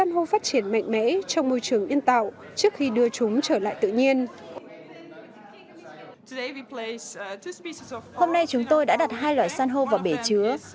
hôm nay chúng tôi đã đặt hai loài san hô vào bể chứa